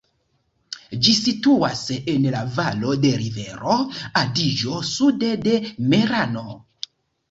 Ĝi situas en la valo de rivero Adiĝo sude de Merano.